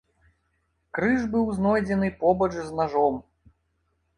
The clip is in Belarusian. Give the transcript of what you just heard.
Крыж быў знойдзены побач з нажом.